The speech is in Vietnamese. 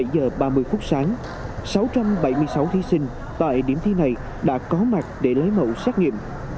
bảy giờ ba mươi phút sáng sáu trăm bảy mươi sáu thí sinh tại điểm thi này đã có mặt để lấy mẫu xét nghiệm